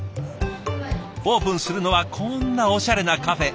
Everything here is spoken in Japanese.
オープンするのはこんなおしゃれなカフェ。